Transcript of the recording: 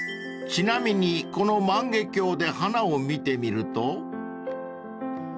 ［ちなみにこの万華鏡で花を見てみると］